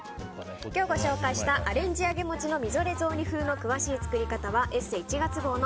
今日ご紹介したアレンジ揚げもちのみぞれ雑煮風の詳しい作り方は「ＥＳＳＥ」１月号の